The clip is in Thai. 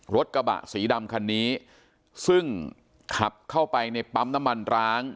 รถกระบะสีดำคันนี้ซึ่งขับเข้าไปในปั๊มน้ำมันร้าง